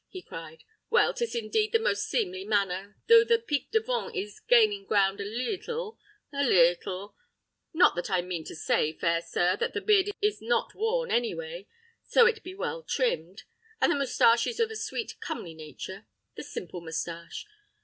he cried; "well, 'tis indeed the most seemly manner, though the pique devant is gaining ground a leetle, a leetle: not that I mean to say, fair sir, that the beard is not worn any way, so it be well trimmed, and the moustache is of a sweet comely nature: the simple moustache!